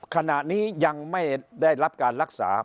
ขณะนี้ยังไม่ได้รับการรักษา